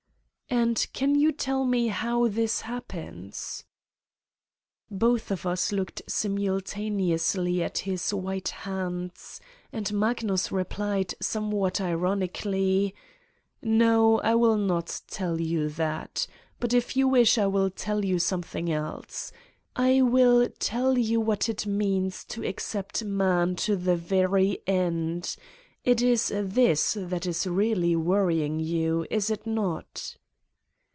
"And can you tell me how this happens ?" Both of us looked simultaneously at his white hands and Magnus replied somewhat ironically: "No, I will not tell you that. But if you wish I will tell you something else : I will tell you what it means to accept man to the very end it is this that is really worrying you, is it not?"